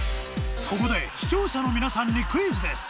ここで視聴者の皆さんにクイズです